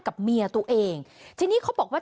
เมียตัวเองทีนี้เขาบอกว่า